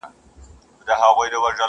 په سره سالو کي ګرځېدې مین دي کړمه؛